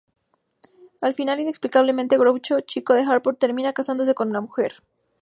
Al final, inexplicablemente, Groucho, Chico y Harpo terminan casándose con la mujer.